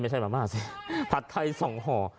ไม่ใช่ไม่ใช่ผัดไทยสองห่อ